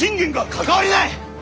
関わりない！